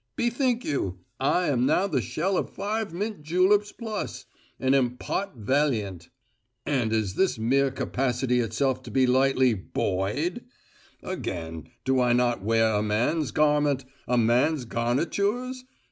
Bethink you, I am now the shell of five mint juleps plus, and am pot valiant. And is this mere capacity itself to be lightly boyed? Again, do I not wear a man's garment, a man's garnitures?